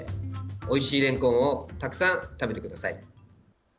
おいしいれんこんをたくさん食べてください。